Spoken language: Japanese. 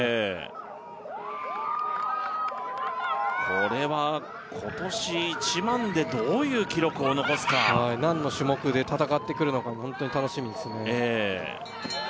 これは今年１００００でどういう記録を残すか何の種目で戦ってくるのかホントに楽しみですね